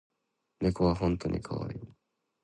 猫は本当にかわいい